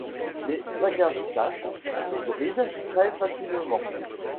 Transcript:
Les agastaches s'hybrident très facilement.